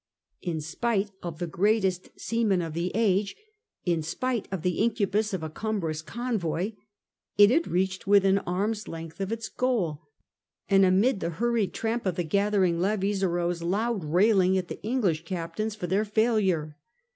In spite of the greatest sea men of the age, in spite of the incubus of a cumbrous convoy, it had reached within arm's length of its goal, and amid the hurried tramp of the gathering levies arose loud railing at the English captains for their failure.